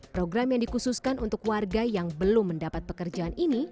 program yang dikhususkan untuk warga yang belum mendapat pekerjaan ini